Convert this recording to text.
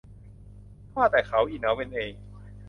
ว่าแต่เขาอิเหนาเป็นเอง